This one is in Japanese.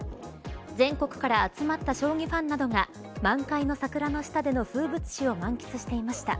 全国から集まった将棋ファンなどが満開の桜の下での風物詩を満喫していました。